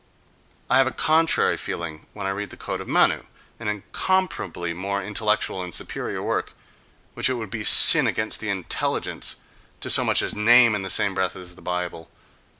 —I have a contrary feeling when I read the Code of Manu, an incomparably more intellectual and superior work, which it would be a sin against the intelligence to so much as name in the same breath with the Bible.